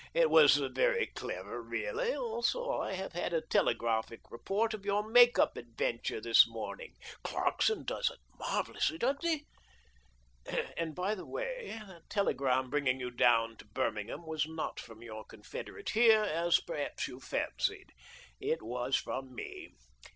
It was very clever, really ! Also I have had a tele graphic report of your make up adventure this morning. Clarkson does it marvellously, doesn't he? And, by the way, that telegram bringing you down to Birmingham was not from your confederate here, as perhaps you fancied. It was from me.